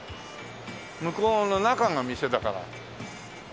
向こうの中が店だから。